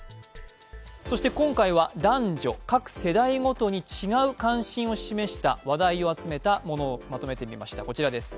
そして今回は男女、各世代ごとに違う関心を示した話題を集めたものをまとめてみました。